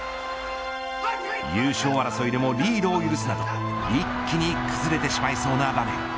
優勝争いでもリードを許すなど一気に崩れてしまいそうな場面。